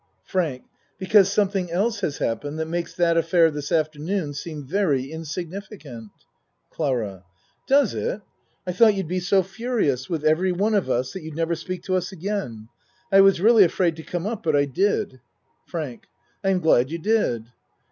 FRANK Because something else has happened that makes that affair this afternoon seem very in significant. CLARA Does it? I tho't you'd be so furious with everyone of us that you'd never speak to us again. I was really afraid to come up but I did. ACT III 85 FRANK I am glad you did.